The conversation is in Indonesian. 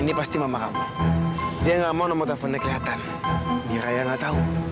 hai ini pasti mama kamu dia enggak mau nomor teleponnya kelihatan miraya enggak tahu